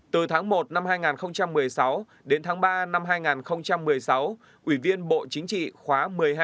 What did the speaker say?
từ tháng một năm hai nghìn một mươi sáu đến tháng ba năm hai nghìn một mươi sáu ủy viên bộ chính trị khóa một mươi hai